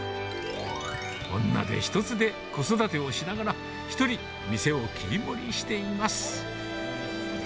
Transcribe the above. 女手一つで子育てをしながら、１人店を切り盛りしています。